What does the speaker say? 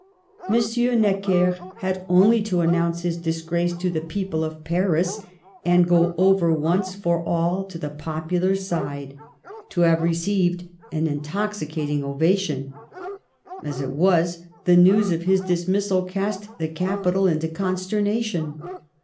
M. Necker had only to announce his disgrace to the people of Paris, and go over once for all to the popular side, to have received an intoxicating ovation. As it was, the news of his dismissal cast the cap ital into consternation.